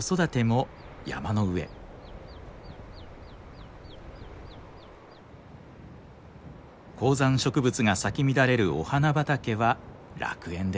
高山植物が咲き乱れるお花畑は楽園です。